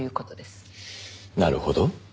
なるほど。